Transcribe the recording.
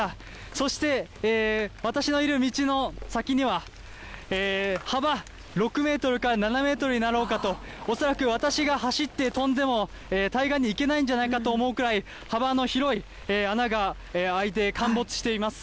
そして、私のいる道の先には、幅６メートルから７メートルになろうかと、恐らく私が走って跳んでも対岸に行けないんじゃないかと思うくらい、幅の広い穴が開いて、陥没しています。